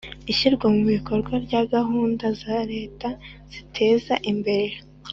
Ishyirwa mu bikorwa rya gahunda za leta ziteza imbere